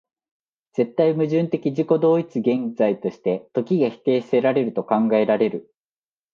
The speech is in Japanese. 絶対矛盾的自己同一的現在として、時が否定せられると考えられる